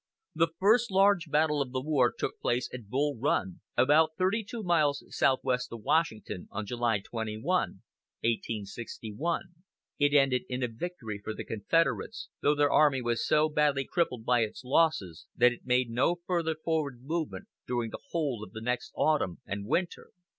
The first large battle of the war took place at Bull Run, about thirty two miles southwest of Washington, on July 21, 1861. It ended in a victory for the Confederates, though their army was so badly crippled by. its losses that it made no further forward movement during the whole of the next autumn and winter.